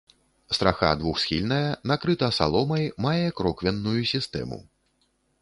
Страха двухсхільная, накрыта саломай, мае кроквенную сістэму.